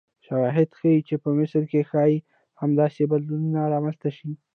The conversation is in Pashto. شواهد ښیي چې په مصر کې ښایي همداسې بدلون رامنځته شي.